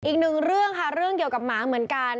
อีกหนึ่งเรื่องค่ะเรื่องเกี่ยวกับหมาเหมือนกัน